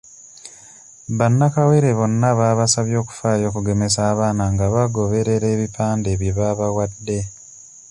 Bannakawere bonna babasabye okufaayo okugemesa abaana nga bagoberera ebipande bye babawadde.